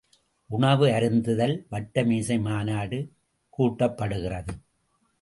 உணவு அருந்துதல் வட்டமேஜை மாநாடு கூட்டப்படுகிறது.